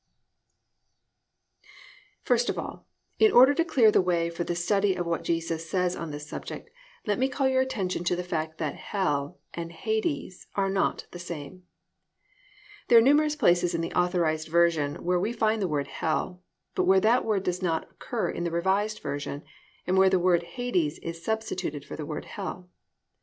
I. HELL AND HADES ARE NOT THE SAME First of all, in order to clear the way for the study of what Jesus says on this subject, let me call your attention to the fact that Hell and Hades are not the same. There are numerous places in the Authorised Version where we find the word "Hell" but where that word does not occur in the Revised Version, and where the word "Hades" is substituted for the word "Hell."